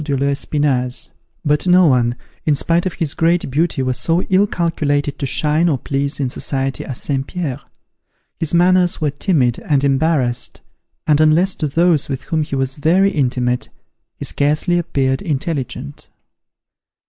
de l'Espinasse. But no one, in spite of his great beauty, was so ill calculated to shine or please in society as St. Pierre. His manners were timid and embarrassed, and, unless to those with whom he was very intimate, he scarcely appeared intelligent.